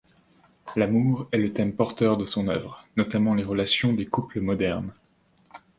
L'amour est le thème porteur de son œuvre, notamment les relations des couples modernes.